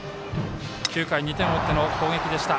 ９回、２点を追っての攻撃でした。